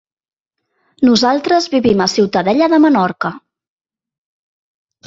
Nosaltres vivim a Ciutadella de Menorca.